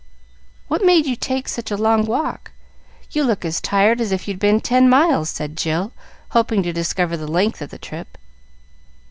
"What made you take such a long walk? You look as tired as if you'd been ten miles," said Jill, hoping to discover the length of the trip.